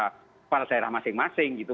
kepala daerah masing masing gitu